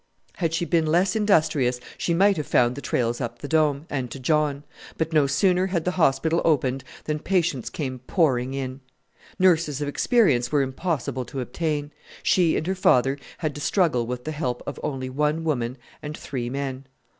Had she been less industrious she might have found the trails up the Dome and to John; but no sooner had the hospital opened than patients came pouring in. Nurses of experience were impossible to obtain. She and her father had to struggle with the help of only one woman and three men.